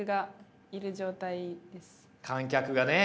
観客がね。